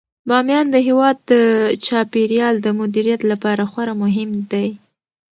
بامیان د هیواد د چاپیریال د مدیریت لپاره خورا مهم دی.